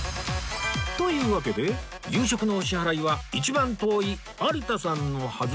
というわけで夕食のお支払いは一番遠い有田さんのはずですが